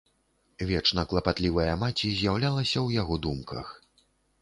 Вечна клапатлівая маці з'яўлялася ў яго думках.